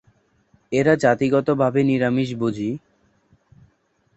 এরা জাতিগতভাবে নিরামীষভোজী।